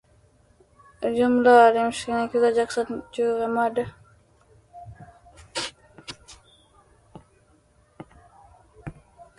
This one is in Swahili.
ujumla walimshinikiza Jackson juu ya mada